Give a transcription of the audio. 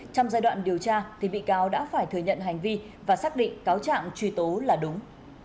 trong giai đoạn điều tra thì bị cáo đã phải thừa nhận hành vi và xác định cáo trạng truy tố là đúng